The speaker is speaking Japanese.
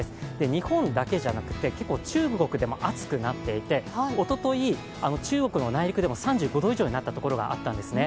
日本だけじゃなくて結構、中国でも暑くなっていておととい、中国の内陸でも３５度以上になったところがあったんですね。